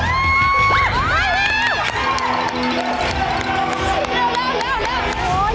เก่งจังเลย